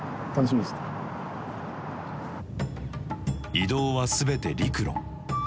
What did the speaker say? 移動は全て陸路。